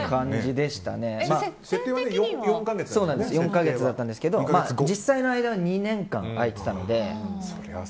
４か月だったんですけど実際の映画が２年間空いていたので。